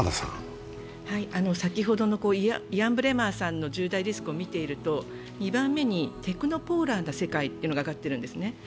先ほどのイアン・ブレマーさんの１０大リスクを見ていると２番目にテクノポーランな世界というのが挙がっているんですね。